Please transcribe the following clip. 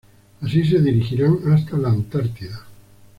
Y así se dirigirán hasta la Antártida.